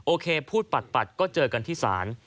โอเคพูดปัดก็เจอกันที่ศาล